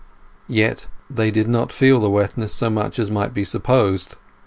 Yet they did not feel the wetness so much as might be supposed.